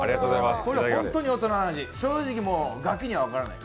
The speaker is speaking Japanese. これ本当に大人の味、正直ガキには分からない。